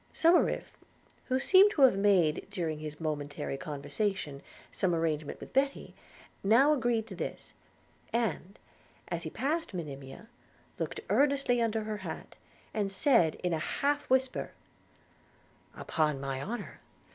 Somerive, who seemed to have made, during his momentary conversation, some arrangement with Betty, now agreed to this; and, as he passed Monimia, looked earnestly under her hat, and said in a half whisper, 'Upon my honour!